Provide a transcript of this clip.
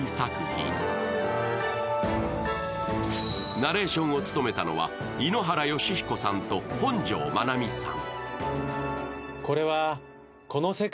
ナレーションを務めたのは井ノ原快彦さんと本上まなみさん。